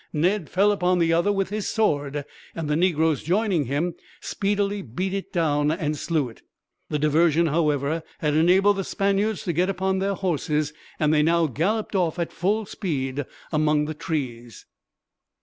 Ned fell upon the other with his sword and, the negroes joining him, speedily beat it down and slew it. The diversion, however, had enabled the Spaniards to get upon their horses; and they now galloped off, at full speed, among the trees.